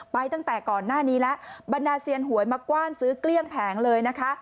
ตั้งแต่ก่อนหน้านี้แล้วบรรดาเซียนหวยมากว้านซื้อเกลี้ยงแผงเลยนะคะ